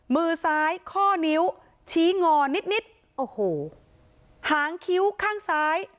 มือซ้ายข้อนิ้วชีงอลิฟต์นิดหางคิ้วข้างซ้าย